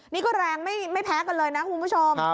นี่ก็แรงไม่แพ้กันเลยนะคุณผู้ชม